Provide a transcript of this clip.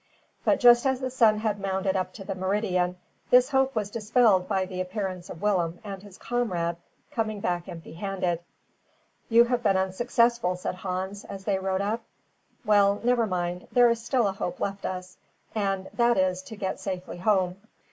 But just as the sun had mounted up to the meridian, this hope was dispelled by the appearance of Willem and his comrade coming back empty handed. "You have been unsuccessful," said Hans, as they rode up. "Well, never mind; there is still a hope left us, and that is, to get safely home."